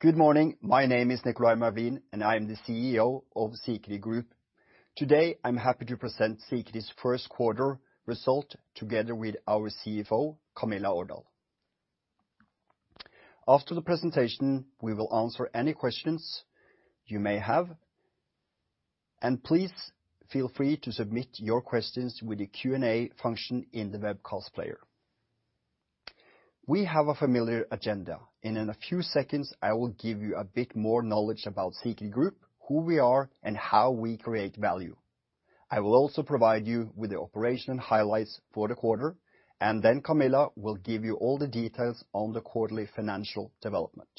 Good morning. My name is Nicolai Mørk, and I am the CEO of Spir Group. Today, I'm happy to present Spir's first quarter result together with our CFO, Camilla Aardal. After the presentation, we will answer any questions you may have, and please feel free to submit your questions with the Q&A function in the webcast player. We have a familiar agenda. In a few seconds, I will give you a bit more knowledge about Spir Group, who we are, and how we create value. I will also provide you with the operation highlights for the quarter, and then Camilla will give you all the details on the quarterly financial development.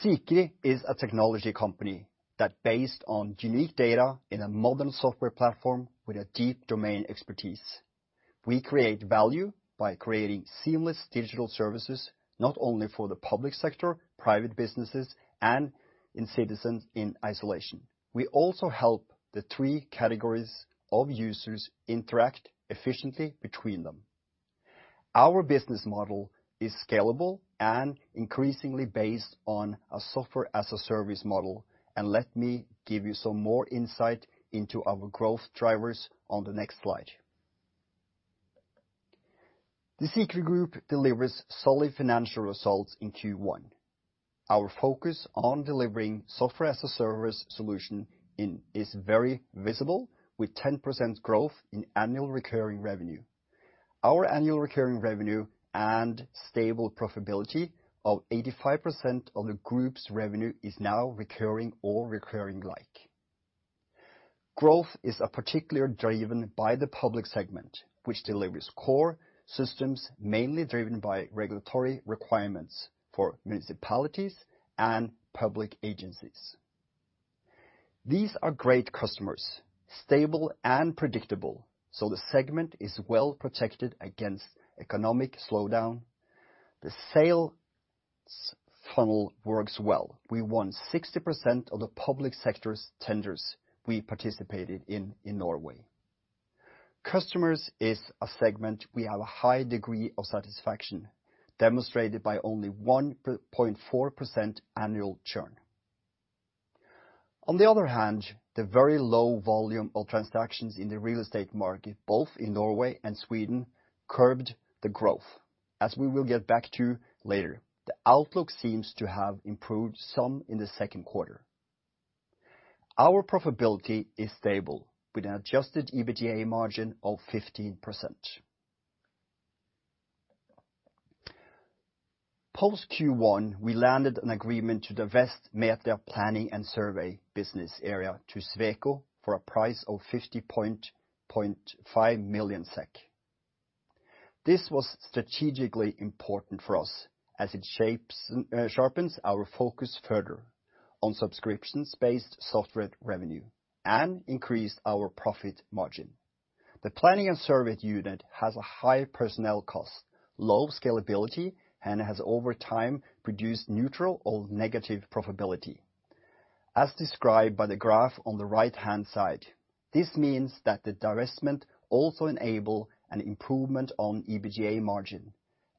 Spir is a technology company that based on unique data in a modern software platform with a deep domain expertise. We create value by creating seamless digital services, not only for the public sector, private businesses, and in citizens in isolation. We also help the three categories of users interact efficiently between them. Our business model is scalable and increasingly based on a software as a service model. Let me give you some more insight into our growth drivers on the next slide. The Spir Group delivers solid financial results in Q1. Our focus on delivering software as a service solution is very visible with 10% growth in Annual Recurring Revenue. Our Annual Recurring Revenue and stable profitability of 85% of the group's revenue is now recurring or recurring like. Growth is a particular driven by the public segment, which delivers core systems mainly driven by regulatory requirements for municipalities and public agencies. These are great customers, stable and predictable, the segment is well-protected against economic slowdown. The sales funnel works well. We won 60% of the public sector's tenders we participated in in Norway. Customers is a segment we have a high degree of satisfaction, demonstrated by only 1.4% annual churn. On the other hand, the very low volume of transactions in the real estate market, both in Norway and Sweden, curbed the growth, as we will get back to later. The outlook seems to have improved some in the second quarter. Our profitability is stable with an adjusted EBITDA margin of 15%. Post Q1, we landed an agreement to divest Metria Planning and Survey business area to Sweco for a price of 50.5 million SEK. This was strategically important for us as it shapes, sharpens our focus further on subscriptions-based software revenue and increased our profit margin. The planning and survey unit has a high personnel cost, low scalability, and has over time produced neutral or negative profitability, as described by the graph on the right-hand side. This means that the divestment also enable an improvement on EBITDA margin,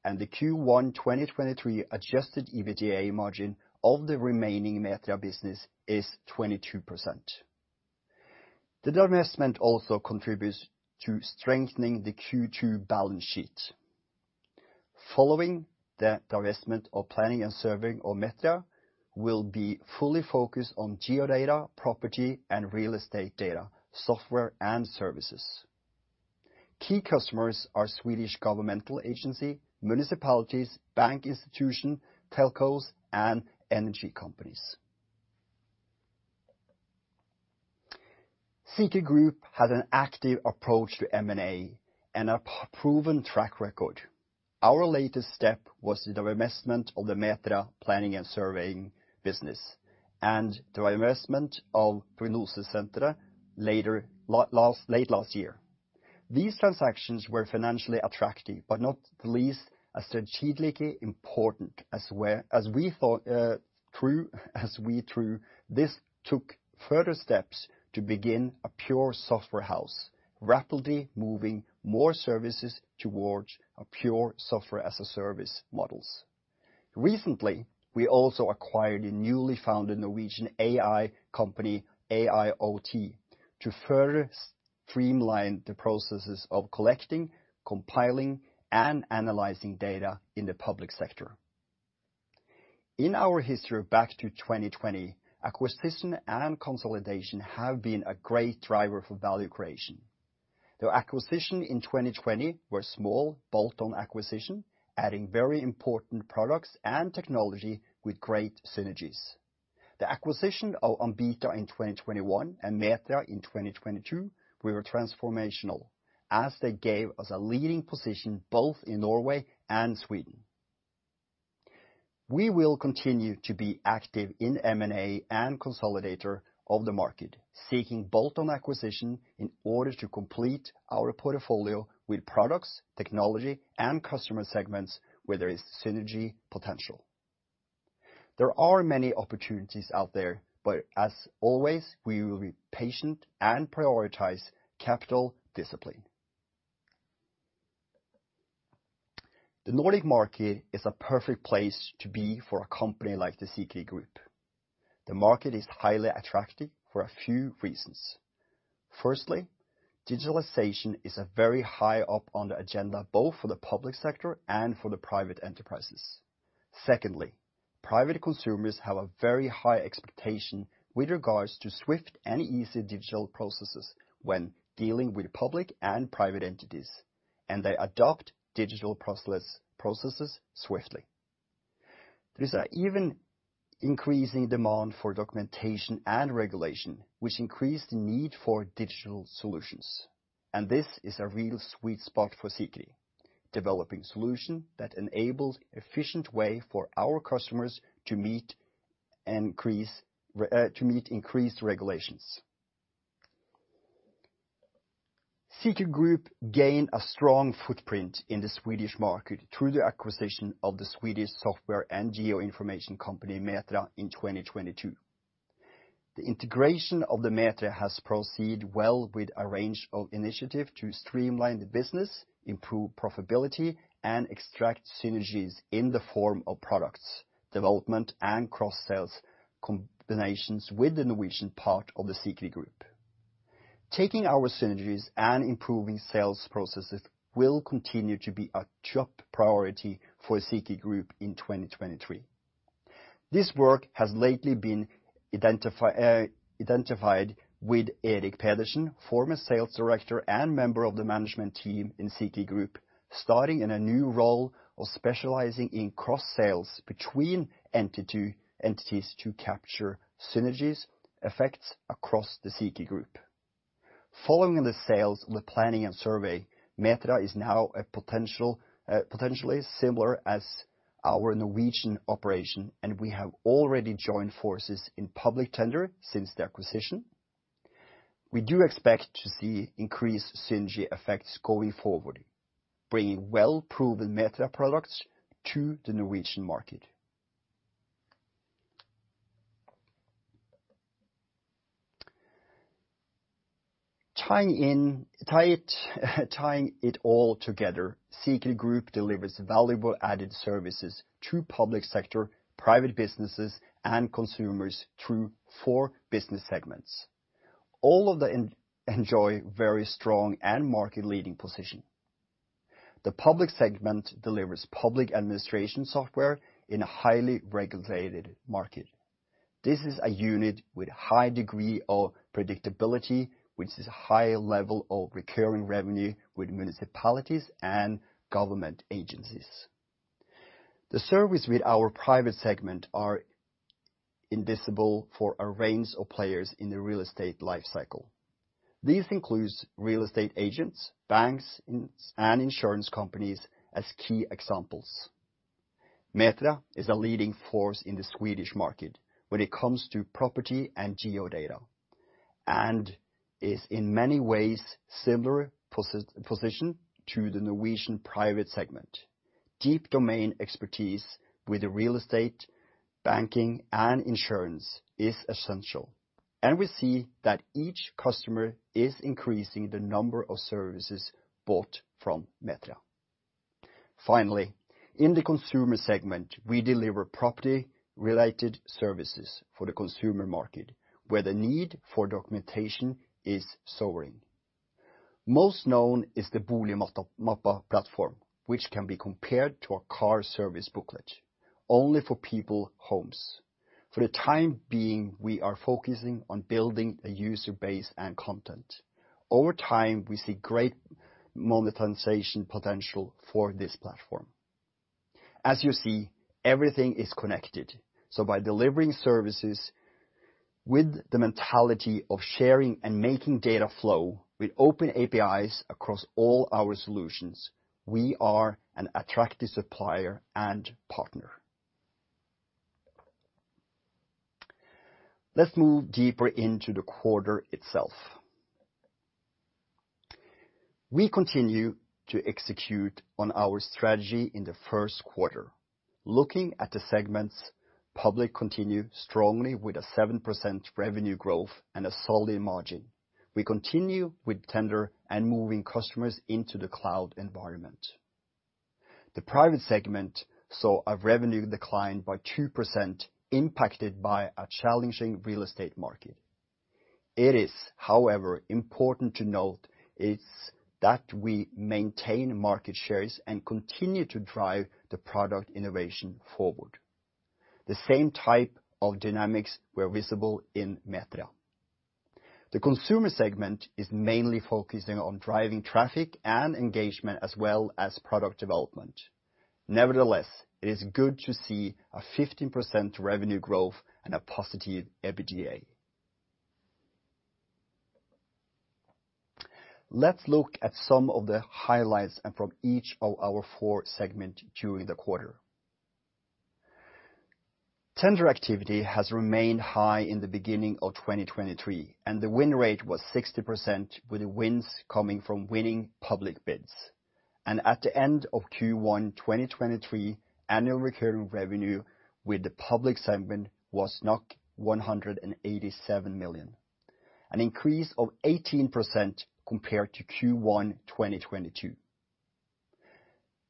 and the Q1 2023 adjusted EBITDA margin of the remaining Metria business is 22%. The divestment also contributes to strengthening the Q2 balance sheet. Following the divestment of planning and surveying of Metria will be fully focused on geodata, property, and real estate data, software and services. Key customers are Swedish governmental agency, municipalities, bank institution, telcos, and energy companies. Spir Group has an active approach to M&A and a proven track record. Our latest step was the divestment of the Metria Planning and Surveying business and divestment of Prognosesenteret late last year. These transactions were financially attractive, not the least as strategically important as we thought, as we through this took further steps to begin a pure software house, rapidly moving more services towards a pure software as a service models. Recently, we also acquired a newly founded Norwegian AI company, AIoT, to further streamline the processes of collecting, compiling, and analyzing data in the public sector. In our history back to 2020, acquisition and consolidation have been a great driver for value creation. The acquisition in 2020 were small bolt-on acquisition, adding very important products and technology with great synergies. The acquisition of Ambita in 2021 and Metria in 2022 were transformational, as they gave us a leading position both in Norway and Sweden. We will continue to be active in M&A and consolidator of the market, seeking bolt-on acquisition in order to complete our portfolio with products, technology, and customer segments where there is synergy potential. There are many opportunities out there, but as always, we will be patient and prioritize capital discipline. The Nordic market is a perfect place to be for a company like the Spir Group. The market is highly attractive for a few reasons. Firstly, digitalization is a very high up on the agenda, both for the public sector and for the private enterprises. Secondly, private consumers have a very high expectation with regards to swift and easy digital processes when dealing with public and private entities, and they adopt digital processes swiftly. There is an even increasing demand for documentation and regulation, which increase the need for digital solutions, and this is a real sweet spot for Spir, developing solution that enables efficient way for our customers to meet increased regulations. Spir Group gained a strong footprint in the Swedish market through the acquisition of the Swedish software and geo-information company Metria in 2022. The integration of the Metria has proceeded well with a range of initiative to streamline the business, improve profitability, and extract synergies in the form of products, development, and cross-sales combinations with the Norwegian part of the Spir Group. Taking our synergies and improving sales processes will continue to be a top priority for Spir Group in 2023. This work has lately been identified with Eirik Pedersen, former sales director and member of the management team in Spir Group, starting in a new role of specializing in cross-sales between entities to capture synergies effects across the Spir Group. Following the sales of the planning and survey, Metria is now potentially similar as our Norwegian operation, and we have already joined forces in public tender since the acquisition. We do expect to see increased synergy effects going forward, bringing well-proven Metria products to the Norwegian market. Tying it all together, Spir Group delivers valuable added services to public sector, private businesses, and consumers through four business segments. All of them enjoy very strong and market-leading position. The public segment delivers public administration software in a highly regulated market. This is a unit with high degree of predictability, which is a high level of recurring revenue with municipalities and government agencies. The service with our private segment are invisible for a range of players in the real estate life cycle. These includes real estate agents, banks, and insurance companies as key examples. Metria is a leading force in the Swedish market when it comes to property and geodata, and is in many ways similar position to the Norwegian private segment. Deep domain expertise with the real estate, banking, and insurance is essential, and we see that each customer is increasing the number of services bought from Metria. Finally, in the consumer segment, we deliver property-related services for the consumer market, where the need for documentation is soaring. Most known is the Boligmappa platform, which can be compared to a car service booklet, only for people homes. For the time being, we are focusing on building a user base and content. Over time, we see great monetization potential for this platform. As you see, everything is connected. By delivering services with the mentality of sharing and making data flow with open APIs across all our solutions, we are an attractive supplier and partner. Let's move deeper into the quarter itself. We continue to execute on our strategy in the first quarter. Looking at the segments, public continue strongly with a 7% revenue growth and a solid margin. We continue with tender and moving customers into the cloud environment. The private segment saw a revenue decline by 2% impacted by a challenging real estate market. It is, however, important to note is that we maintain market shares and continue to drive the product innovation forward. The same type of dynamics were visible in Metria. The consumer segment is mainly focusing on driving traffic and engagement as well as product development. Nevertheless, it is good to see a 15% revenue growth and a positive EBITDA. Let's look at some of the highlights and from each of our four segment during the quarter. Tender activity has remained high in the beginning of 2023, and the win rate was 60% with the wins coming from winning public bids. At the end of Q1 2023, annual recurring revenue with the public segment was 187 million, an increase of 18% compared to Q1 2022.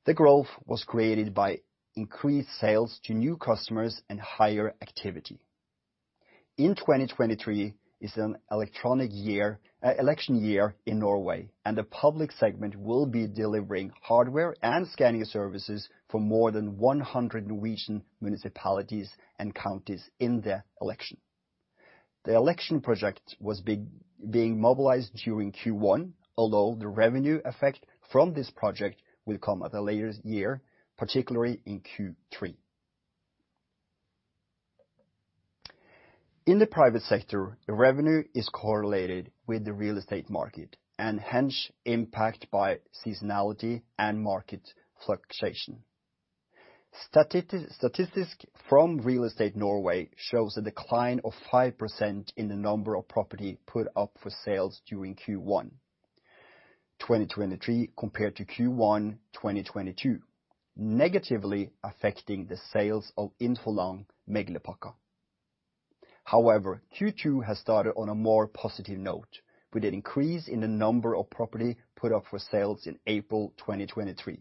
The growth was created by increased sales to new customers and higher activity. In 2023 is an election year in Norway, and the public segment will be delivering hardware and scanning services for more than 100 Norwegian municipalities and counties in the election. The election project was being mobilized during Q1, although the revenue effect from this project will come at a later year, particularly in Q3. In the private sector, the revenue is correlated with the real estate market and hence impacted by seasonality and market fluctuation. Statistics from Real Estate Norway shows a decline of 5% in the number of property put up for sales during Q1 2023 compared to Q1 2022, negatively affecting the sales of Infoland Meglepakka. Q2 has started on a more positive note, with an increase in the number of property put up for sales in April 2023.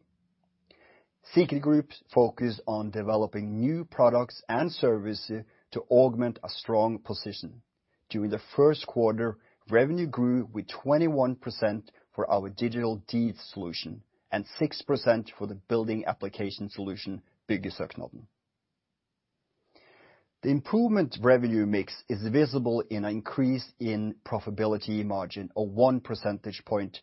Spir Group focused on developing new products and services to augment a strong position. During the first quarter, revenue grew with 21% for our digital deeds solution and 6% for the building application solution, Byggesøknaden. The improvement revenue mix is visible in an increase in profitability margin of one percentage point,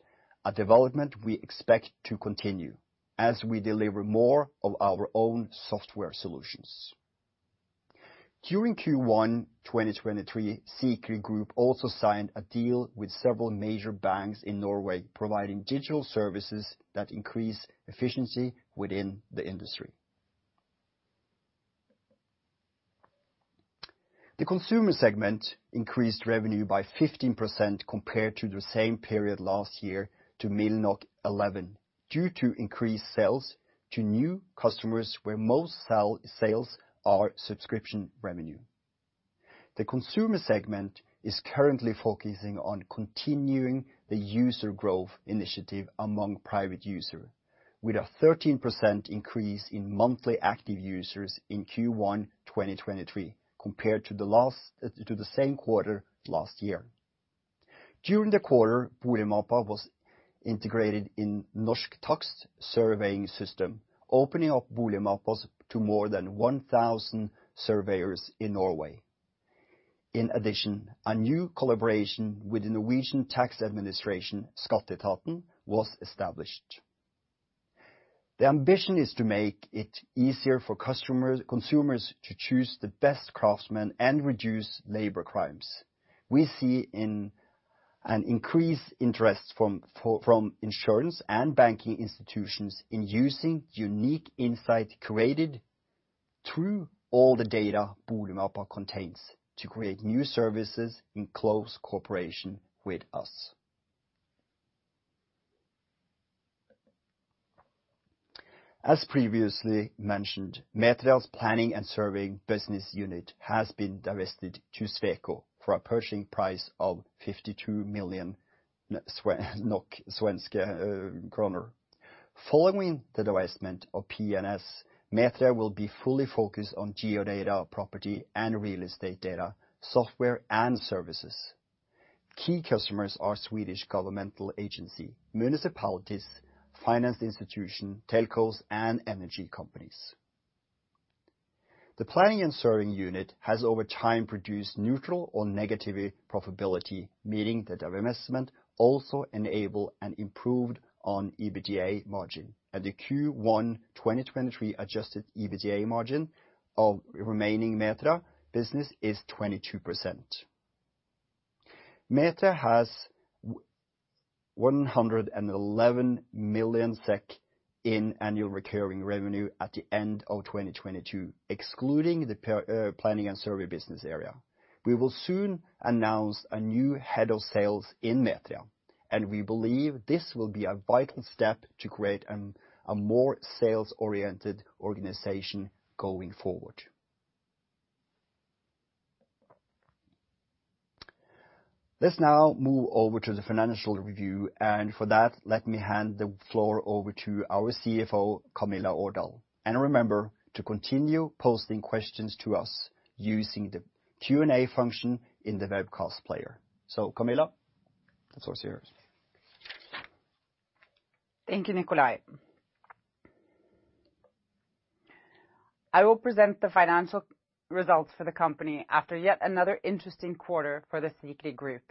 a development we expect to continue as we deliver more of our own software solutions. During Q1 2023, Spir Group also signed a deal with several major banks in Norway, providing digital services that increase efficiency within the industry. The consumer segment increased revenue by 15% compared to the same period last year to 11 million due to increased sales to new customers, where most sales are subscription revenue. The consumer segment is currently focusing on continuing the user growth initiative among private user, with a 13% increase in monthly active users in Q1 2023 compared to the same quarter last year. During the quarter, Boligmappa was integrated in Norsk Takst Surveying System, opening up Boligmappa to more than 1,000 surveyors in Norway. In addition, a new collaboration with the Norwegian Tax Administration, Skatteetaten, was established. The ambition is to make it easier for consumers to choose the best craftsmen and reduce labor crimes. We see an increased interest from insurance and banking institutions in using unique insight created through all the data Boligmappa contains to create new services in close cooperation with us. As previously mentioned, Metria's planning and surveying business unit has been divested to Sweco for a purchasing price of 52 million Swedish kroner. Following the divestment of P&S, Metria will be fully focused on geodata, property, and real estate data, software, and services. Key customers are Swedish governmental agency, municipalities, finance institution, telcos, and energy companies. The planning and surveying unit has over time produced neutral or negatively profitability, meaning the divestment also enable an improved EBITDA margin. The Q1 2023 adjusted EBITDA margin of remaining Metria business is 22%. Metria has 111 million SEK in annual recurring revenue at the end of 2022, excluding the planning and survey business area. We will soon announce a new head of sales in Metria, and we believe this will be a vital step to create a more sales-oriented organization going forward. Let's now move over to the financial review, and for that, let me hand the floor over to our CFO, Camilla Aardal. Remember to continue posting questions to us using the Q&A function in the webcast player. Camilla, the floor is yours. Thank you, Nicolai Mørk. I will present the financial results for the company after yet another interesting quarter for the Spir Group.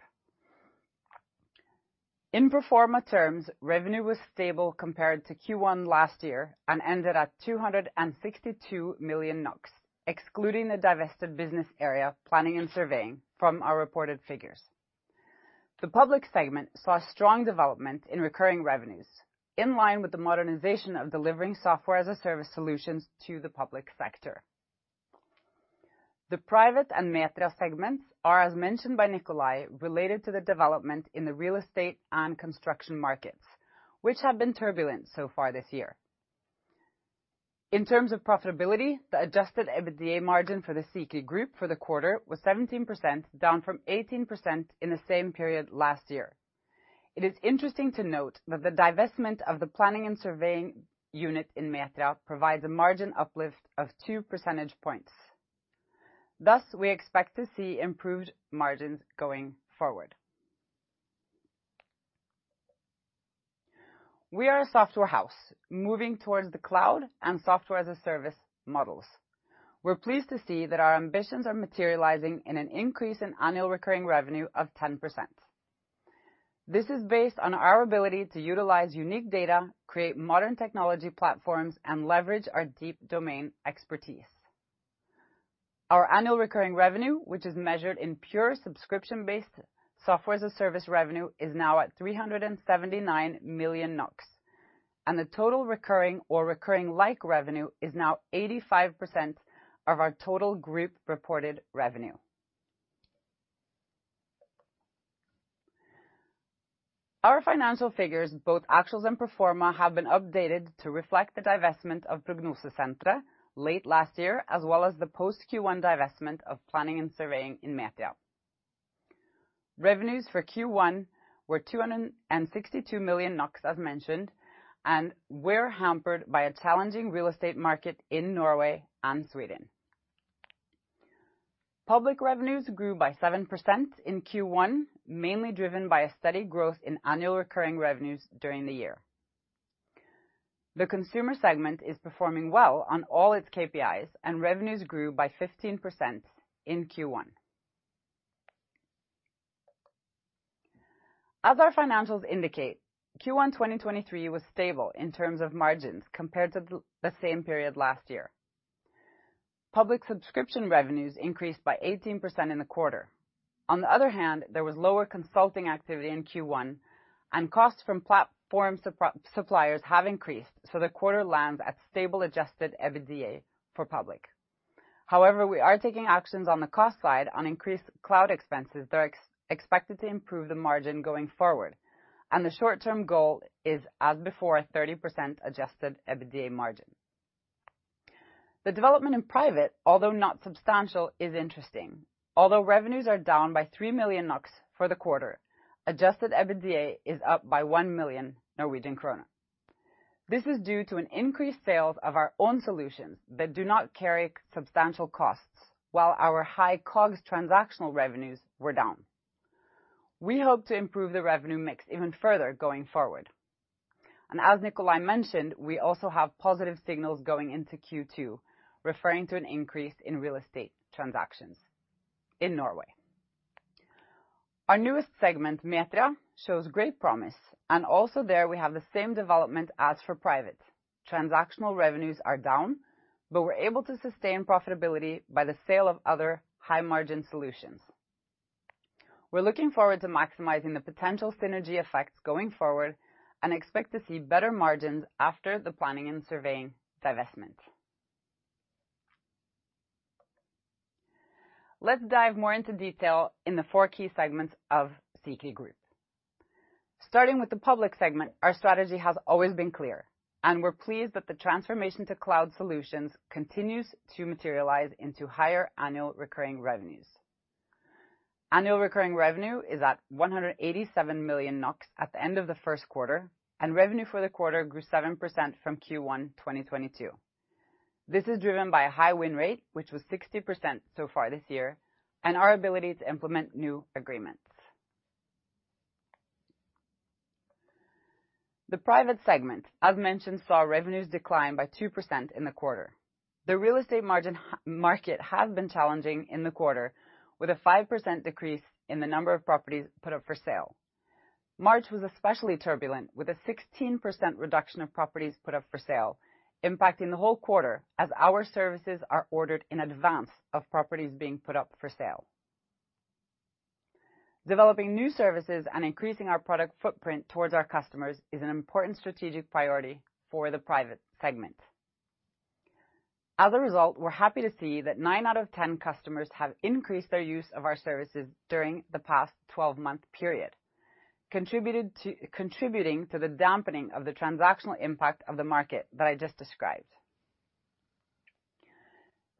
In pro forma terms, revenue was stable compared to Q1 last year and ended at 262 million NOK, excluding the divested business area, planning and surveying, from our reported figures. The public segment saw strong development in recurring revenues in line with the modernization of delivering software-as-a-service solutions to the public sector. The private and Metria segments are as mentioned by Nicolai, related to the development in the real estate and construction markets, which have been turbulent so far this year. In terms of profitability, the adjusted EBITDA margin for the Spir Group for the quarter was 17%, down from 18% in the same period last year. It is interesting to note that the divestment of the planning and surveying unit in Metria provides a margin uplift of 2 percentage points. Thus, we expect to see improved margins going forward. We are a software house moving towards the cloud and Software as a Service models. We're pleased to see that our ambitions are materializing in an increase in Annual Recurring Revenue of 10%. This is based on our ability to utilize unique data, create modern technology platforms, and leverage our deep domain expertise. Our Annual Recurring Revenue, which is measured in pure subscription-based Software as a Service revenue, is now at 379 million NOK. The total recurring or recurring like revenue is now 85% of our total group reported revenue. Our financial figures, both actuals and pro forma, have been updated to reflect the divestment of Prognosesenteret late last year, as well as the post Q1 divestment of planning and surveying in Metria. Revenues for Q1 were 262 million NOK, as mentioned, and were hampered by a challenging real estate market in Norway and Sweden. Public revenues grew by 7% in Q1, mainly driven by a steady growth in annual recurring revenues during the year. The consumer segment is performing well on all its KPIs, and revenues grew by 15% in Q1. As our financials indicate, Q1 2023 was stable in terms of margins compared to the same period last year. Public subscription revenues increased by 18% in the quarter. On the other hand, there was lower consulting activity in Q1. Costs from platform suppliers have increased. The quarter lands at stable adjusted EBITDA for public. However, we are taking actions on the cost side on increased cloud expenses that are expected to improve the margin going forward. The short-term goal is, as before, 30% adjusted EBITDA margin. The development in private, although not substantial, is interesting. Although revenues are down by 3 million NOK for the quarter, adjusted EBITDA is up by 1 million Norwegian krone. This is due to an increased sales of our own solutions that do not carry substantial costs while our high COGS transactional revenues were down. We hope to improve the revenue mix even further going forward. As Nicolai mentioned, we also have positive signals going into Q2, referring to an increase in real estate transactions in Norway. Our newest segment, Metria, shows great promise. Also there we have the same development as for private. Transactional revenues are down, but we're able to sustain profitability by the sale of other high-margin solutions. We're looking forward to maximizing the potential synergy effects going forward and expect to see better margins after the planning and surveying divestment. Let's dive more into detail in the four key segments of Spir Group. Starting with the public segment, our strategy has always been clear, and we're pleased that the transformation to cloud solutions continues to materialize into higher Annual Recurring Revenues. Annual Recurring Revenue is at 187 million NOK at the end of the first quarter, and revenue for the quarter grew 7% from Q1 2022. This is driven by a high win rate, which was 60% so far this year, and our ability to implement new agreements. The private segment, as mentioned, saw revenues decline by 2% in the quarter. The real estate market has been challenging in the quarter with a 5% decrease in the number of properties put up for sale. March was especially turbulent with a 16% reduction of properties put up for sale, impacting the whole quarter as our services are ordered in advance of properties being put up for sale. Developing new services and increasing our product footprint towards our customers is an important strategic priority for the private segment. As a result, we're happy to see that nine out of ten customers have increased their use of our services during the past 12-month period, contributing to the dampening of the transactional impact of the market that I just described.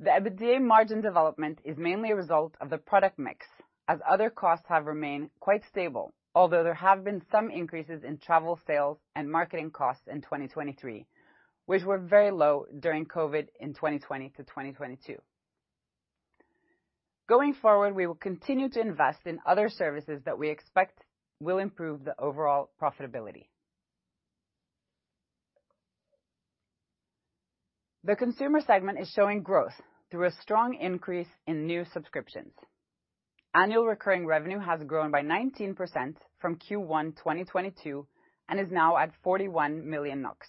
The EBITDA margin development is mainly a result of the product mix, as other costs have remained quite stable. Although there have been some increases in travel sales and marketing costs in 2023, which were very low during COVID in 2020-2022. Going forward, we will continue to invest in other services that we expect will improve the overall profitability. The consumer segment is showing growth through a strong increase in new subscriptions. Annual Recurring Revenue has grown by 19% from Q1 2022 and is now at 41 million NOK.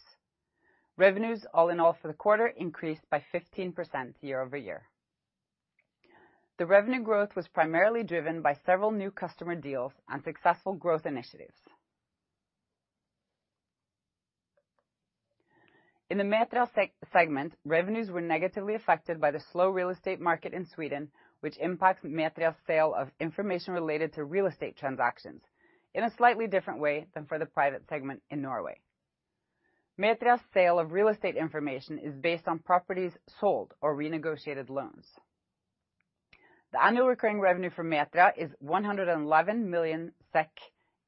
Revenues all in all for the quarter increased by 15% year-over-year. The revenue growth was primarily driven by several new customer deals and successful growth initiatives. In the Metria segment, revenues were negatively affected by the slow real estate market in Sweden, which impacts Metria's sale of information related to real estate transactions in a slightly different way than for the private segment in Norway. Metria's sale of real estate information is based on properties sold or renegotiated loans. The Annual Recurring Revenue for Metria is 111 million SEK,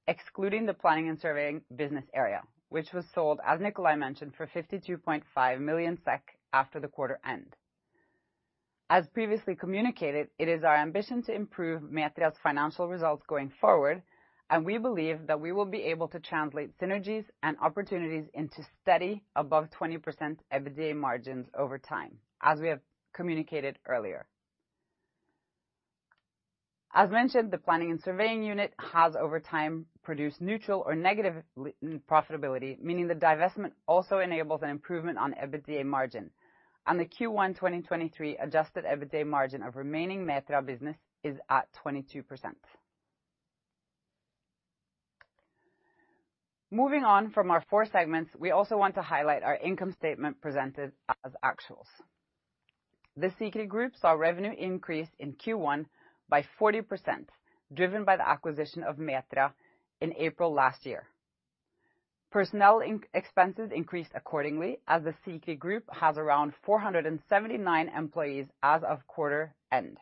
excluding the planning and surveying business area, which was sold, as Nicolai mentioned, for 52.5 million SEK after the quarter end. As previously communicated, it is our ambition to improve Metria's financial results going forward, and we believe that we will be able to translate synergies and opportunities into steady above 20% EBITDA margins over time, as we have communicated earlier. As mentioned, the planning and surveying unit has, over time, produced neutral or negative profitability, meaning the divestment also enables an improvement on EBITDA margin. On the Q1 2023 adjusted EBITDA margin of remaining Metria business is at 22%. Moving on from our four segments, we also want to highlight our income statement presented as actuals. The Spir Group saw revenue increase in Q1 by 40%, driven by the acquisition of Metria in April last year. Personnel expenses increased accordingly, as the Spir Group has around 479 employees as of quarter end,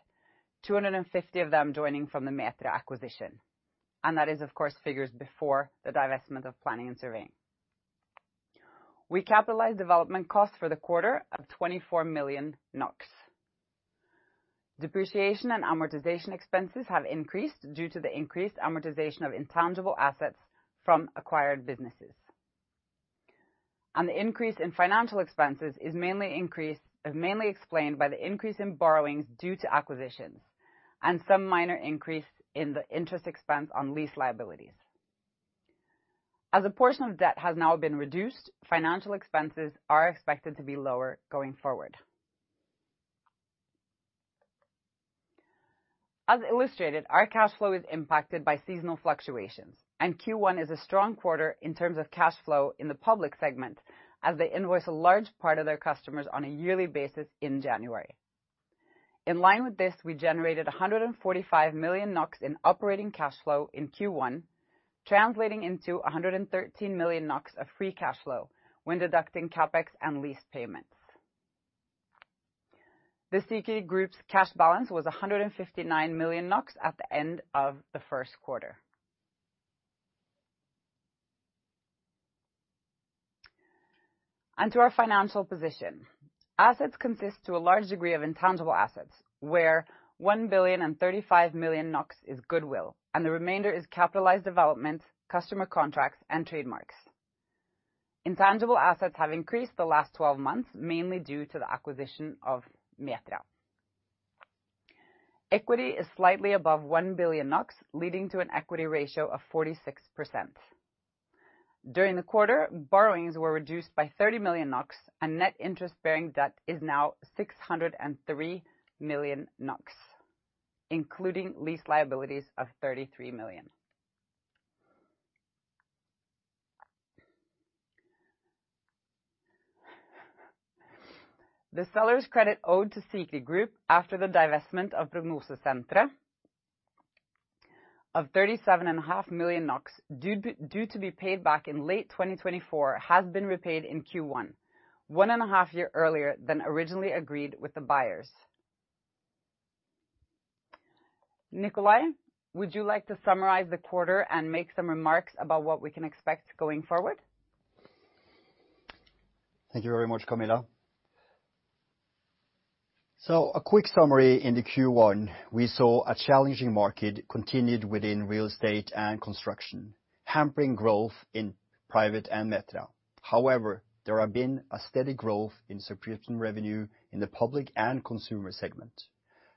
250 of them joining from the Metria acquisition. That is of course, figures before the divestment of planning and surveying. We capitalized development costs for the quarter of 24 million NOK. Depreciation and amortization expenses have increased due to the increased amortization of intangible assets from acquired businesses. The increase in financial expenses is mainly explained by the increase in borrowings due to acquisitions and some minor increase in the interest expense on lease liabilities. As a portion of debt has now been reduced, financial expenses are expected to be lower going forward. As illustrated, our cash flow is impacted by seasonal fluctuations, and Q1 is a strong quarter in terms of cash flow in the public segment as they invoice a large part of their customers on a yearly basis in January. In line with this, we generated 145 million NOK in operating cash flow in Q1, translating into 113 million NOK of free cash flow when deducting CapEx and lease payments. The Spir Group's cash balance was 159 million NOK at the end of the first quarter. On to our financial position. Assets consist to a large degree of intangible assets, where 1.035 billion is goodwill, and the remainder is capitalized development, customer contracts, and trademarks. Intangible assets have increased the last 12 months, mainly due to the acquisition of Metria. Equity is slightly above 1 billion NOK, leading to an equity ratio of 46%. During the quarter, borrowings were reduced by 30 million NOK, and net interest-bearing debt is now 603 million NOK, including lease liabilities of 33 million. The seller's credit owed to Spir Group after the divestment of Prognosesenteret of 37.5 million NOK due to be paid back in late 2024 has been repaid in Q1, one and a half year earlier than originally agreed with the buyers. Nicolai, would you like to summarize the quarter and make some remarks about what we can expect going forward? Thank you very much, Camilla. A quick summary in the Q1, we saw a challenging market continued within real estate and construction, hampering growth in private and Metria. However, there have been a steady growth in subscription revenue in the public and consumer segment,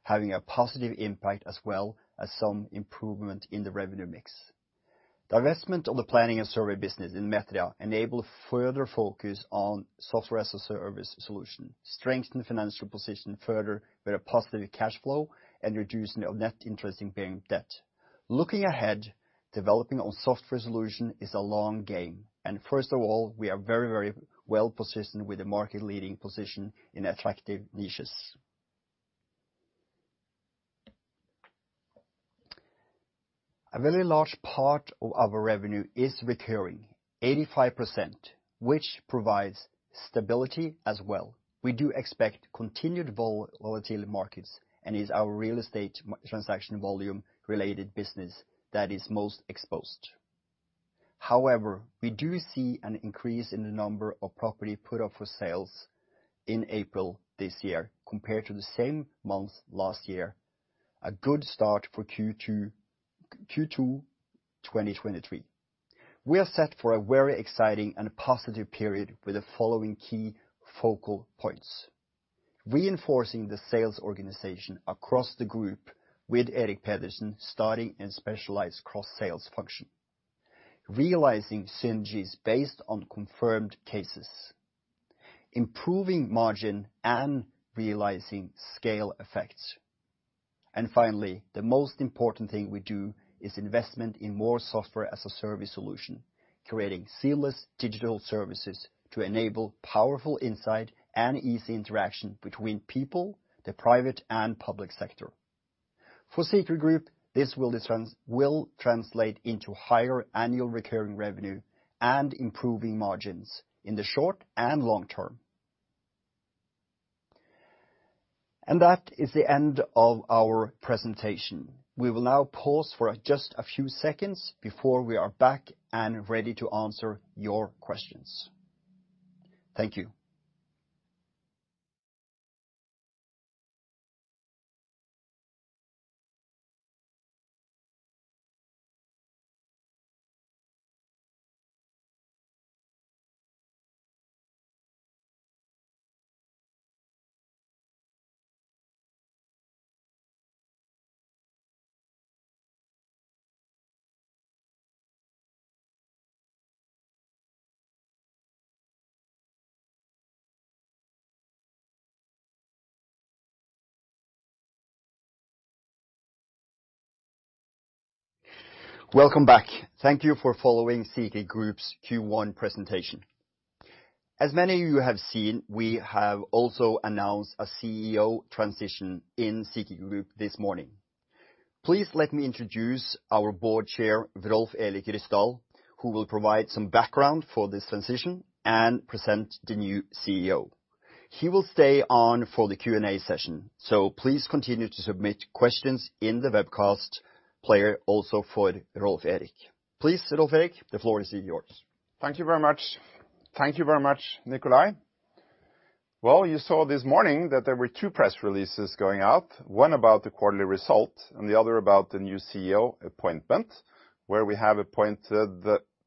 having a positive impact, as well as some improvement in the revenue mix. Divestment of the planning and survey business in Metria enable further focus on software as a service solution, strengthen financial position further with a positive cash flow, and reducing of net interest-bearing debt. Looking ahead, developing on software solution is a long game, and first of all, we are very, very well positioned with a market-leading position in attractive niches. A very large part of our revenue is recurring, 85%, which provides stability as well. We do expect continued volatility in markets and is our real estate transaction volume-related business that is most exposed. However, we do see an increase in the number of property put up for sales in April this year compared to the same month last year, a good start for Q2 2023. We are set for a very exciting and positive period with the following key focal points. Reinforcing the sales organization across the group with Eirik Pedersen starting a specialized cross-sales function. Realizing synergies based on confirmed cases. Improving margin and realizing scale effects. Finally, the most important thing we do is investment in more software as a service solution, creating seamless digital services to enable powerful insight and easy interaction between people, the private and public sector. For Spir Group, this will translate into higher Annual Recurring Revenue and improving margins in the short and long term. That is the end of our presentation. We will now pause for just a few seconds before we are back and ready to answer your questions. Thank you. Welcome back. Thank you for following Spir Group's Q1 presentation. As many of you have seen, we have also announced a CEO transition in Spir Group this morning. Please let me introduce our Chairperson, Rolv Erik Ryssdal, who will provide some background for this transition and present the new CEO. He will stay on for the Q&A session, so please continue to submit questions in the webcast player also for Rolv Erik. Please, Rolv Erik, the floor is yours. Thank you very much. Thank you very much, Nicolai. Well, you saw this morning that there were two press releases going out. One about the quarterly result and the other about the new CEO appointment, where we have appointed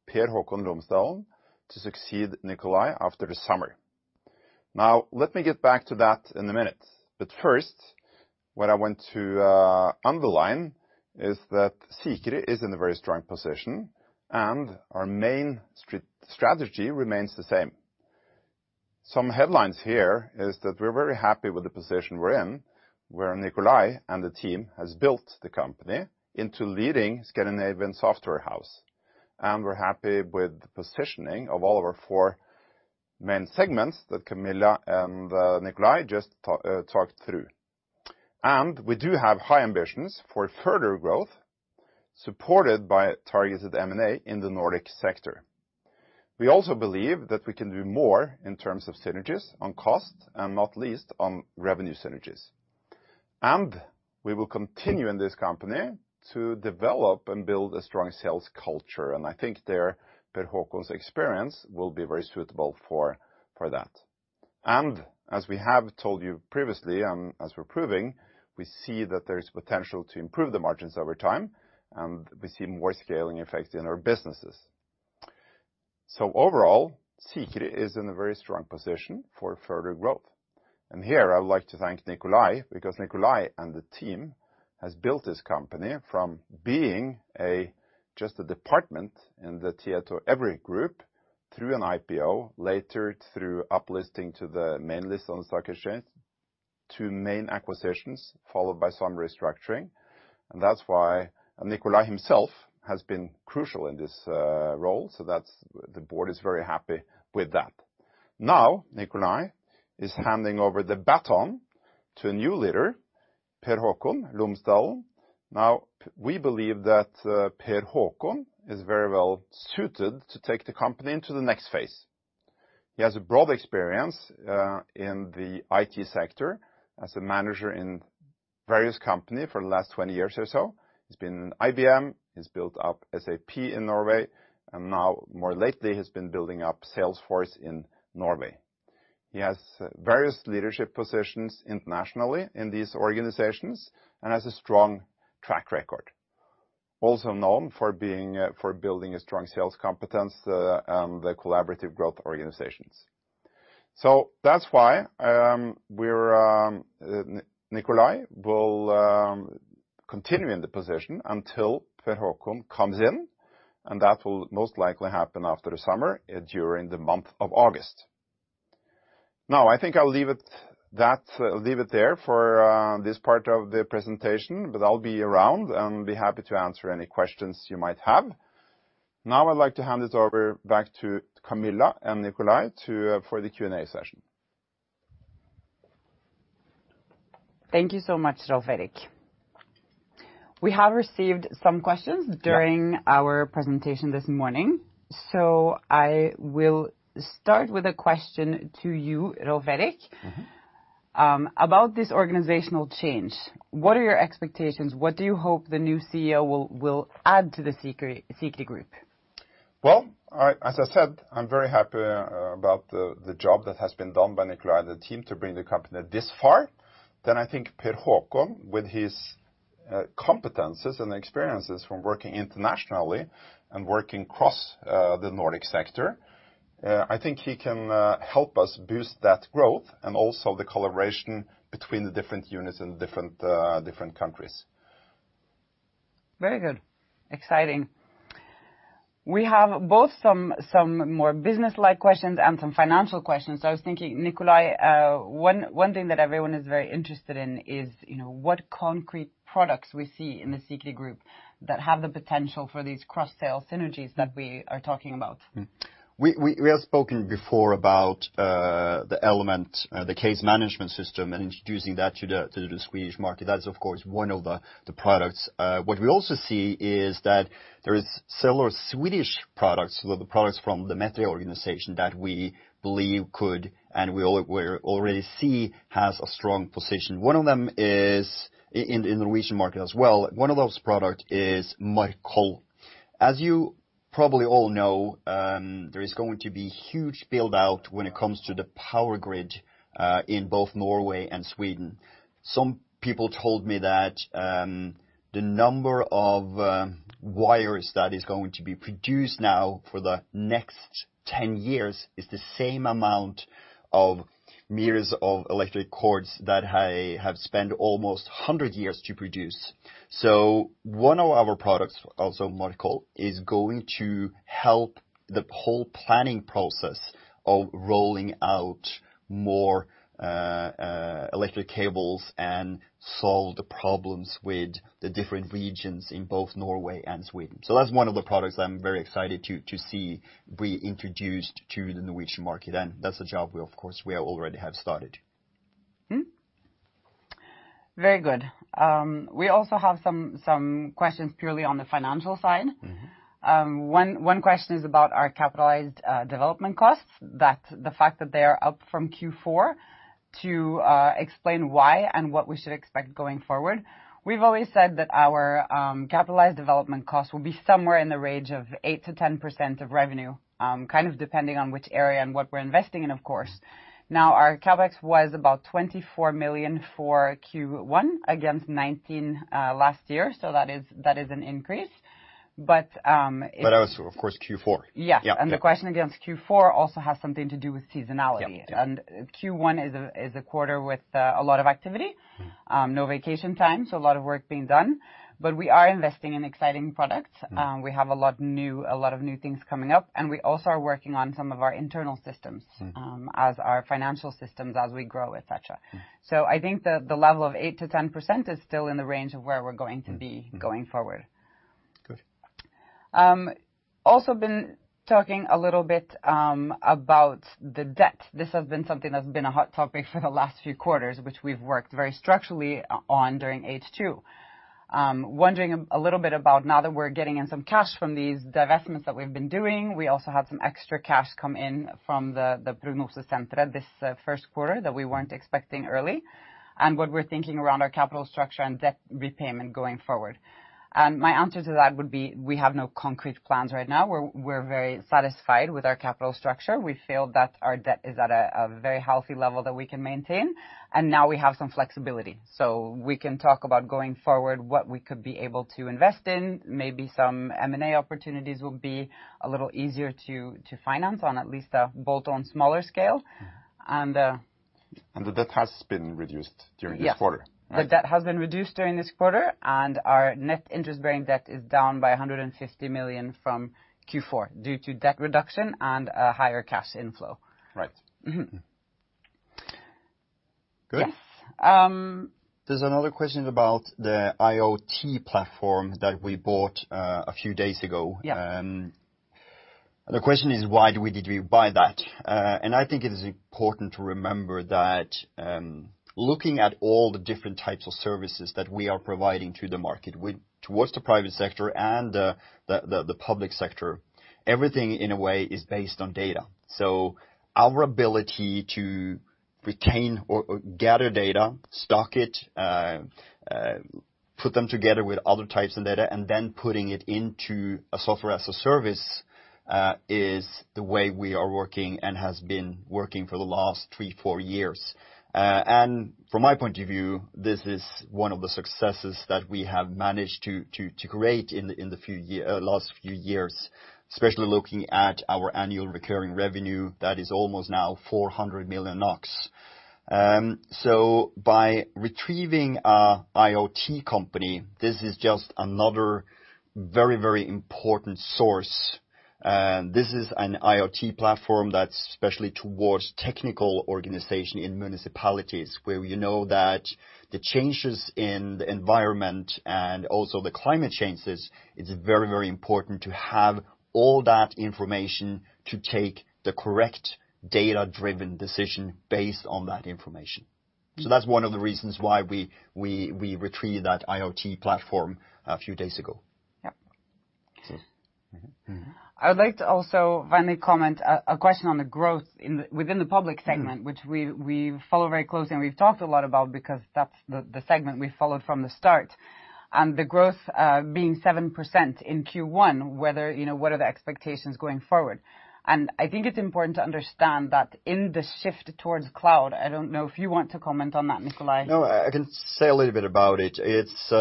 Per Haakon Lomsdalen to succeed Nicolai after the summer. Now let me get back to that in a minute. First, what I want to underline is that Spir Group is in a very strong position and our main strategy remains the same. Some headlines here is that we're very happy with the position we're in, where Nicolai and the team has built the company into leading Scandinavian software house. We're happy with the positioning of all of our four main segments that Camilla and Nicolai just talked through. We do have high ambitions for further growth, supported by targeted M&A in the Nordic sector. We also believe that we can do more in terms of synergies on cost, not least on revenue synergies. We will continue in this company to develop and build a strong sales culture. I think there Per Hakon's experience will be very suitable for that. As we have told you previously, as we're proving, we see that there's potential to improve the margins over time, and we see more scaling effects in our businesses. Overall, Sikre is in a very strong position for further growth. Here I would like to thank Nicolai, because Nicolai and the team has built this company from being just a department in the Tietoevry Group through an IPO, later through up listing to the main list on the stock exchange to main acquisitions followed by some restructuring. That's why Nicolai Mørk himself has been crucial in this role. The board is very happy with that. Nicolai Mørk is handing over the baton to a new leader, Per Haakon Lomsdalen. We believe that Per Haakon Lomsdalen is very well suited to take the company into the next phase. He has a broad experience in the IT sector as a manager in various company for the last 20 years or so. He's been in IBM. He's built up SAP in Norway, and now more lately has been building up sales force in Norway. He has various leadership positions internationally in these organizations and has a strong track record. Known for building a strong sales competence, the collaborative growth organizations. That's why we're Nicolai will continue in the position until Per Haakon comes in, and that will most likely happen after the summer, during the month of August. I think I'll leave it there for this part of the presentation, but I'll be around and be happy to answer any questions you might have. I'd like to hand it over back to Camilla and Nicolai for the Q&A session. Thank you so much, Rolv Erik. We have received some questions- Yeah. During our presentation this morning, I will start with a question to you, Rolf Erik. Mm-hmm. About this organizational change, what are your expectations? What do you hope the new CEO will add to the Spir Group? Well, I, as I said, I'm very happy about the job that has been done by Nicolai and the team to bring the company this far. I think Per Haakon, with his competences and experiences from working internationally and working across the Nordic sector, I think he can help us boost that growth and also the collaboration between the different units in different countries. Very good. Exciting. We have both some more business-like questions and some financial questions. I was thinking, Nicolai, one thing that everyone is very interested in is, you know, what concrete products we see in the CKD Group that have the potential for these cross-sale synergies that we are talking about. We have spoken before about the Elements, the case management system and introducing that to the Swedish market. That is, of course, one of the products. What we also see is that there is several Swedish products, the products from the Metria organization that we believe could, and we're already see has a strong position. One of them is in the Norwegian market as well. One of those product is Metria. As you probably all know, there is going to be huge build-out when it comes to the power grid in both Norway and Sweden. Some people told me that the number of wires that is going to be produced now for the next 10 years is the same amount of meters of electric cords that I have spent almost 100 years to produce. One of our products, also Metria, is going to help the whole planning process of rolling out more electric cables and solve the problems with the different regions in both Norway and Sweden. That's one of the products I'm very excited to see reintroduced to the Norwegian market, and that's a job we of course already have started. Mm-hmm. Very good. We also have some questions purely on the financial side. Mm-hmm. One question is about our capitalized development costs, that the fact that they are up from Q4 to explain why and what we should expect going forward. We've always said that our capitalized development costs will be somewhere in the range of 8%-10% of revenue, kind of depending on which area and what we're investing in, of course. Now, our CapEx was about 24 million for Q1 against 19 million last year, so that is an increase. That was, of course, Q4. Yeah. Yeah. Yeah. The question against Q4 also has something to do with seasonality. Yeah. Q1 is a quarter with a lot of activity. Mm-hmm. no vacation time, so a lot of work being done. We are investing in exciting products. Mm. We have a lot new, a lot of new things coming up, and we also are working on some of our internal systems. Mm. as our financial systems as we grow, et cetera. Mm. I think the level of 8%-10% is still in the range of where we're going to be going forward. Good. Also been talking a little bit about the debt. This has been something that's been a hot topic for the last few quarters, which we've worked very structurally on during H2. Wondering a little bit about now that we're getting in some cash from these divestments that we've been doing, we also had some extra cash come in from the Brunåsen Center this first quarter that we weren't expecting early, and what we're thinking around our capital structure and debt repayment going forward. My answer to that would be we have no concrete plans right now. We're very satisfied with our capital structure. We feel that our debt is at a very healthy level that we can maintain, and now we have some flexibility. We can talk about going forward, what we could be able to invest in. Maybe some M&A opportunities will be a little easier to finance on at least a bolt-on smaller scale. The debt has been reduced during this quarter. Yeah. Right. The debt has been reduced during this quarter, and our net interest-bearing debt is down by 150 million from Q4 due to debt reduction and a higher cash inflow. Right. Mm-hmm. Good. Yes. There's another question about the IoT platform that we bought a few days ago. Yeah. The question is why did we buy that? I think it is important to remember that, looking at all the different types of services that we are providing to the market towards the private sector and the public sector, everything in a way is based on data. Our ability to retain or gather data, stock it, put them together with other types of data, and then putting it into a software as a service, is the way we are working and has been working for the last three, four years. From my point of view, this is one of the successes that we have managed to create in the last few years, especially looking at our Annual Recurring Revenue that is almost now 400 million NOK. By retrieving our IoT company, this is just another very, very important source. This is an IoT platform that's especially towards technical organization in municipalities where you know that the changes in the environment and also the climate changes, it's very, very important to have all that information to take the correct data-driven decision based on that information. That's one of the reasons why we retrieve that IoT platform a few days ago. Yep. Mm-hmm. I would like to also finally comment a question on the growth within the public segment. Mm. which we follow very closely and we've talked a lot about because that's the segment we followed from the start. The growth, being 7% in Q1, whether, you know, what are the expectations going forward? I think it's important to understand that in the shift towards cloud, I don't know if you want to comment on that, Nicolai. No, I can say a little bit about it. It's,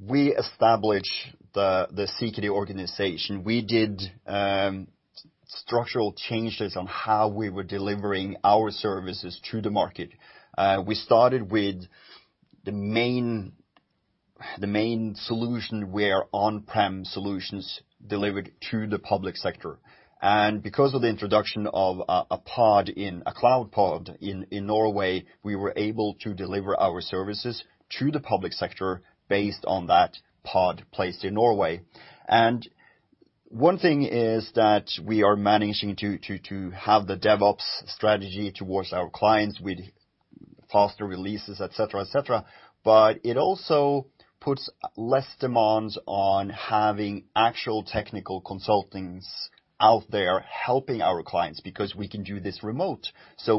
we established the CKD organization. We did structural changes on how we were delivering our services to the market. We started with the main solution where on-prem solutions delivered to the public sector. Because of the introduction of a cloud pod in Norway, we were able to deliver our services to the public sector based on that pod placed in Norway. One thing is that we are managing to have the DevOps strategy towards our clients with faster releases, et cetera, et cetera. It also puts less demands on having actual technical consultings out there helping our clients, because we can do this remote.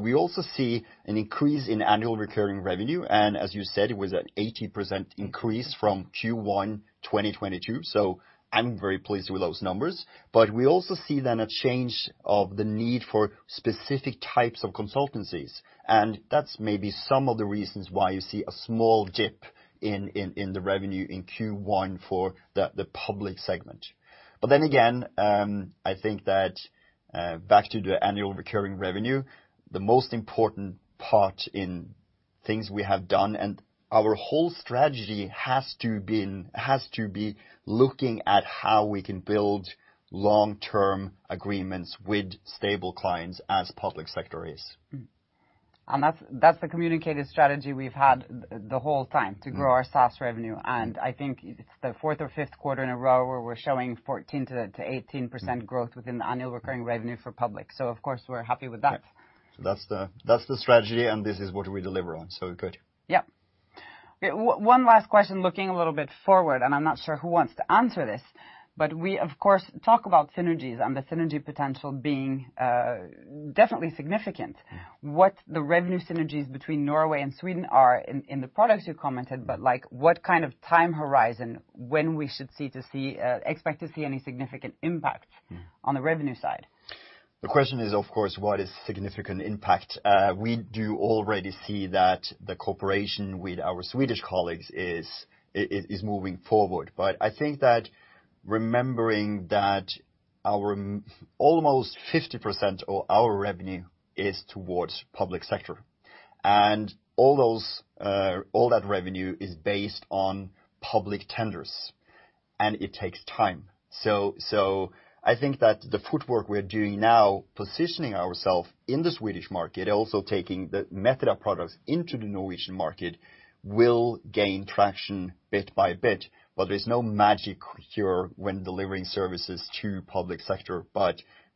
We also see an increase in Annual Recurring Revenue, and as you said, it was an 80% increase from Q1 2022. I'm very pleased with those numbers. We also see a change of the need for specific types of consultancies, and that's maybe some of the reasons why you see a small dip in the revenue in Q1 for the public segment. I think that back to the Annual Recurring Revenue, the most important part in things we have done and our whole strategy has to be looking at how we can build long-term agreements with stable clients as public sector is. That's the communicated strategy we've had the whole time, to grow our SaaS revenue. I think it's the fourth or fifth quarter in a row where we're showing 14%-18% growth within the Annual Recurring Revenue for public. Of course, we're happy with that. That's the strategy, and this is what we deliver on. Good. Yep. One last question, looking a little bit forward, and I'm not sure who wants to answer this. We, of course, talk about synergies and the synergy potential being definitely significant. Yeah. What the revenue synergies between Norway and Sweden are in the products you commented, but, like, what kind of time horizon when we should expect to see any significant impact? Mm-hmm. on the revenue side? The question is, of course, what is significant impact? We do already see that the cooperation with our Swedish colleagues is moving forward. I think that remembering that our almost 50% of our revenue is towards public sector, and all those, all that revenue is based on public tenders, and it takes time. I think that the footwork we're doing now, positioning ourself in the Swedish market, also taking the Method product into the Norwegian market, will gain traction bit by bit. There's no magic cure when delivering services to public sector.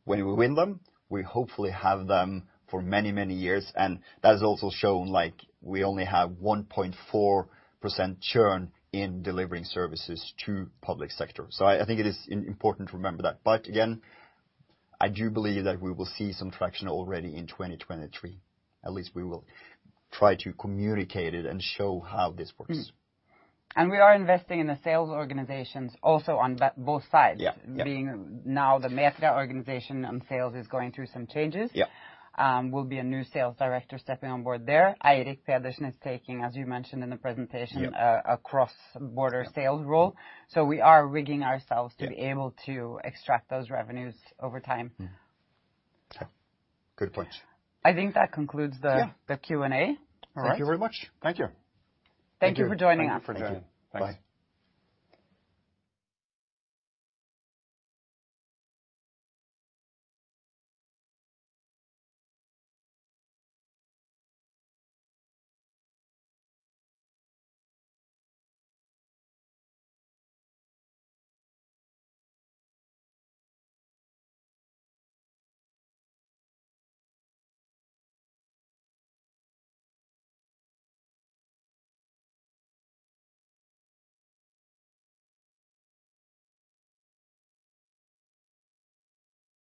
When we win them, we hopefully have them for many, many years. That is also shown, like, we only have 1.4% churn in delivering services to public sector. I think it is important to remember that. Again, I do believe that we will see some traction already in 2023. At least we will try to communicate it and show how this works. Mm-hmm. We are investing in the sales organizations also on both sides. Yeah. Yeah. Being now the Method organization on sales is going through some changes. Yeah. Will be a new sales director stepping on board there. Eirik Pedersen is taking, as you mentioned in the presentation. Yep. a cross-border sales role. We are rigging ourselves to be able to extract those revenues over time. Yeah. Good point. I think that concludes the- Yeah. the Q&A. All right. Thank you very much. Thank you. Thank you for joining us. Thank you for joining. Bye.